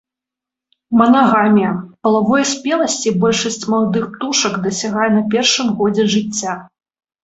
Манагамія, палавой спеласці большасць маладых птушак дасягае на першым годзе жыцця.